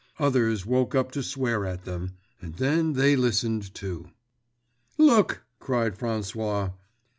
Others woke up to swear at them—and then they listened, too. "Look!" cried François.